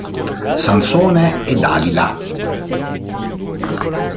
Sansone e Dalila